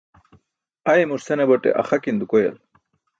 Aymur senabate axakin dukoyal.